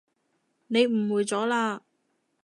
你誤會咗喇